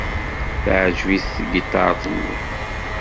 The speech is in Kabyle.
Teɛjeb-it tgiṭart-nni.